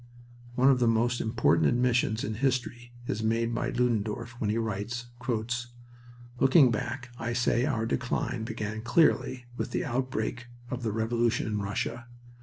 One of the most important admissions in history is made by Ludendorff when he writes: "Looking back, I say our decline began clearly with the outbreak of the revolution in Russia.